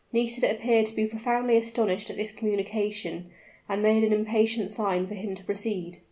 Nisida appeared to be profoundly astonished at this communication, and made an impatient sign for him to proceed.